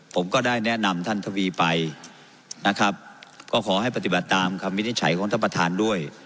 ผมก็ได้แนะนำท่านทวีไปนะครับก็ขอให้ปฏิบัติตามคำวินิจฉัยของท่านประธานด้วย